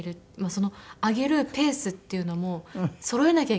その上げるペースっていうのもそろえなきゃいけないんですよ